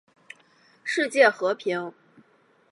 世界和平